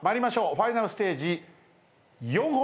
ファイナルステージ４本目です。